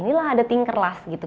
inilah ada tinkerlust